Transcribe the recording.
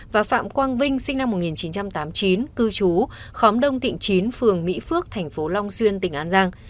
và phạm quang vinh sinh năm một nghìn chín trăm tám mươi chín cư trú khóm đông tỉnh chín phường mỹ phước thành phố long xuyên tỉnh an giang